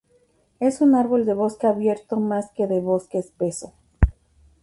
Es un árbol de bosque abierto más de que de bosque espeso.